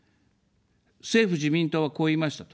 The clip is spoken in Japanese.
政府・自民党は、こう言いました。